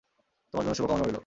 তোমার জন্যও শুভকামনা রইলো।